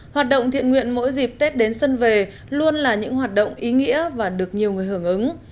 hoạt động thiện nguyện mỗi dịp tết đến xuân về luôn là những hoạt động ý nghĩa và được nhiều người hưởng ứng